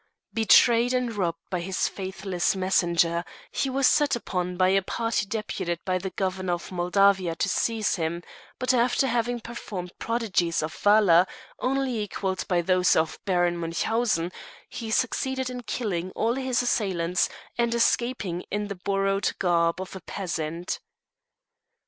Betrayed and robbed by his faithless messenger, he was set upon by a party deputed by the Governor of Moldavia to seize him; but after having performed prodigies of valour, only equalled by those of Baron Münchausen, he succeeded in killing all his assailants, and escaping in the borrowed garb of a peasant.